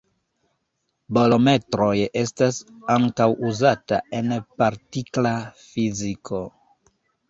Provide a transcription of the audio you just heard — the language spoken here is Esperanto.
Bolometroj estas ankaŭ uzata en partikla fiziko.